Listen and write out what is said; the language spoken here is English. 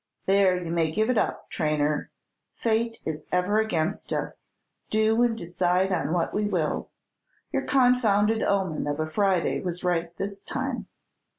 "There, you may give it up, Traynor. Fate is ever against us, do and decide on what we will. Your confounded omen of a Friday was right this time."